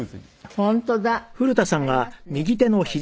本当だ。